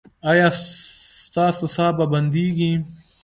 ایا ستاسو ساه به بندیږي؟